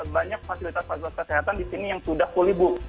banyak fasilitas fasilitas kesehatan di sini yang sudah fully book